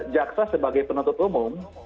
jaksa sebagai penutup umum